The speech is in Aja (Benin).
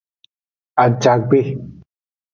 Ajagbe.